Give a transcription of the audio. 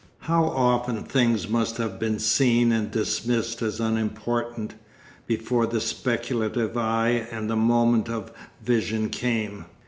How often things must have been seen and dismissed as unimportant, before the speculative eye and the moment of vision came!